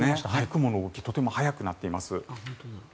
雲の動きがとても速くなっています。